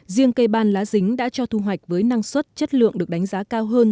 riêng cây ban lá dính đã cho thu hoạch với năng suất chất lượng được đánh giá cao hơn